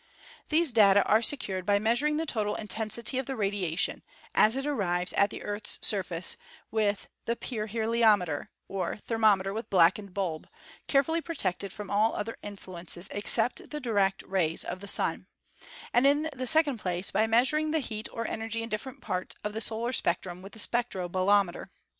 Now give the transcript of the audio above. These data are secured by measuring the total intensity of the radiation, as it arrives at the Earth's surface, with the pyrheliometer, or thermometer with blackened bulb, carefully protected from all other influences except the direct rays of the Sun; and in the second place by meas uring the heat or energy in different parts of the solar spectrum with the spectro bolometer.